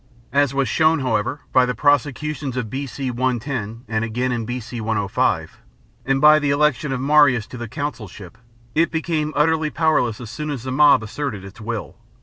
As was shown, however, by the prosecutions of B.C. no, and again in B.C. 105, and by the election of Marius to the consulship, it became utterly powerless as soon as the mob asserted its will.